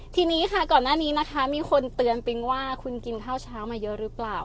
ทีนี้ค่ะก่อนหน้านี้นะคะมีคนเตือนปิ๊งว่าคุณกินข้าวเช้ามาเยอะหรือเปล่า